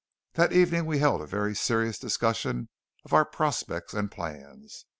That evening we held a very serious discussion of our prospects and plans.